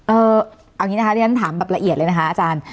เอาอย่างนี้นะคะที่ฉันถามแบบละเอียดเลยนะคะอาจารย์